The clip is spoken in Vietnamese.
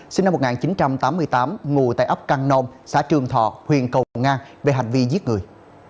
sinh năm một nghìn chín trăm tám mươi tám ngồi tại ấp căng nôn xã trường thọ huyện cầu nga về hành vi giết người